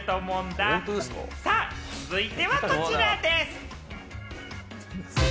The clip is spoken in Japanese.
続いてはこちらです。